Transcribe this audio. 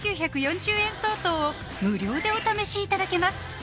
５９４０円相当を無料でお試しいただけます